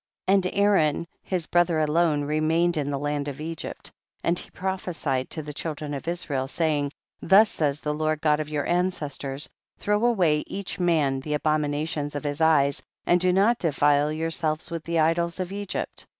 12. And Aaron his brother alone remained in the land of Egypt, and he prophecied to the children of Is rael, saying, 13. Thus says the Lord God of your ancestors, throw* away, each man, the abominations of his eyes, and do not defile yourselves with the idols of Egypt.